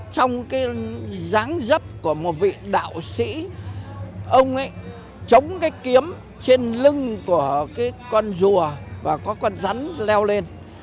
trong cái giáng dấp của một vị đạo sĩ ông ấy chống cái kiếm trên lưng của cái con rùa và có con rắn leo lên